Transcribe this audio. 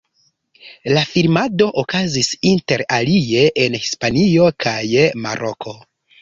La filmado okazis inter alie en Hispanio kaj Maroko.